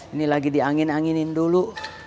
ini lagi di angin anginin dulu